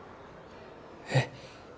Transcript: えっ？